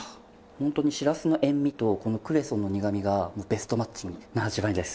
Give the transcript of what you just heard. ホントにしらすの塩味とこのクレソンの苦みがベストマッチングな味わいです。